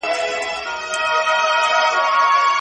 مالونه له هند څخه راوړل کېدل.